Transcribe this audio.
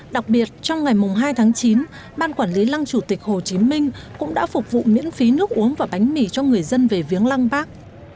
đặc biệt trong ngày hai tháng chín ban quản lý lăng chủ tịch hồ chí minh cũng đã phục vụ miễn phí nước uống và bánh mì cho người dân về viếng lăng bác